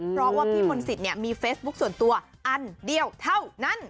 เพราะว่าพี่มนต์สิทธิ์มีเฟซบุ๊คส่วนตัวอันเดียวเท่านั้น